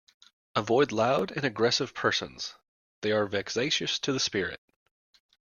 Avoid loud and aggressive persons; they are vexatious to the spirit.